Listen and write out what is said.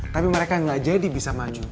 tapi mereka nggak jadi bisa maju